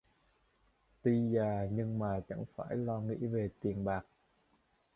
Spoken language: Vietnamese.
Tuy già nhưng mà chẳng phải lo nghĩ gì về tiền bạc